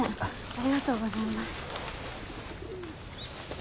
ありがとうございます。